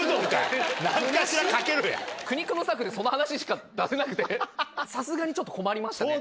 苦肉の策で、その話しか出せなくて、さすがにちょっと困りましたね。